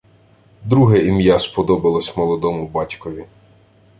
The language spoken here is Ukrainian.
Друге ім'я сподобалося молодому батьку.